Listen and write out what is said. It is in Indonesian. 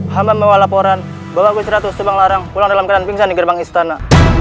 hamba membuat laporan bahwa gostiratu subanglarang pulang dalam keadaan pingsan di gerbang istana